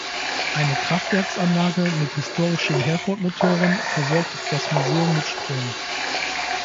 Eine Kraftwerksanlage mit historischen Herford-Motoren versorgt das Museum mit Strom.